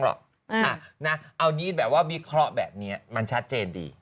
หรอกอ่าน่ะเอานี้แบบว่ามีคลอแบบเนี้ยมันชัดเจนดี